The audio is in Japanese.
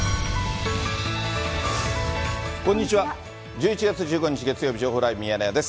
１１月１５日月曜日、情報ライブミヤネ屋です。